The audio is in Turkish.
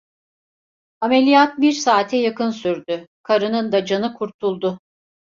Ameliyat bir saate yakın sürdü, karının da canı kurtuldu.